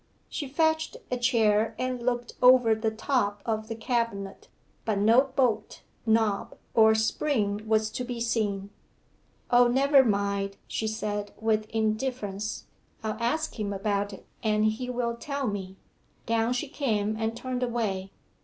She fetched a chair and looked over the top of the cabinet, but no bolt, knob, or spring was to be seen. 'O, never mind,' she said, with indifference; 'I'll ask him about it, and he will tell me.' Down she came and turned away.